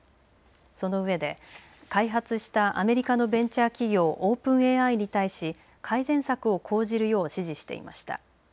そのうえで開発したアメリカのベンチャー企業、オープンＡＩに対し改善策を講じるよう指示していました。